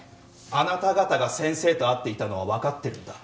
あなた方が先生と会っていたのはわかってるんだ。